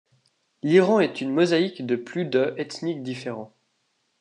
L’Iran est une mosaïque de plus de ethniques différents.